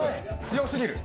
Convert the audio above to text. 強すぎる。